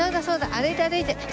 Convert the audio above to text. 歩いて歩いて。